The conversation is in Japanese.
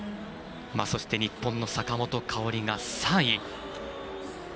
そして、日本の坂本花織が３位。